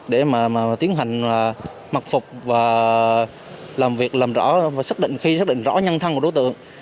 để mà tiến hành mật phục và làm việc làm rõ và xác định khi xác định rõ nhân thân của đối tượng